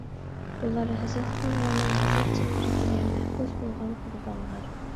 ئۇلار ھەسەتخورلارنىڭ ھەسەت چەمبىرىكىگە مەھبۇس بولغان قۇربانلار!